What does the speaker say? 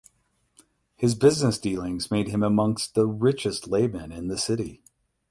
His business dealings made him amongst the richest laymen in the city.